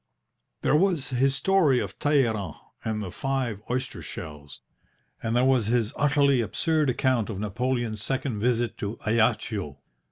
There was his story of Talleyrand and the five oyster shells, and there was his utterly absurd account of Napoleon's second visit to Ajaccio.